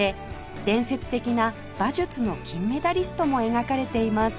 伝説的な馬術の金メダリストも描かれています